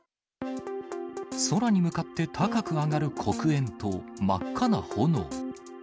空に向かって高く上がる黒煙と真っ赤な炎。